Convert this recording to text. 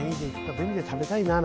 紅で食べたいな。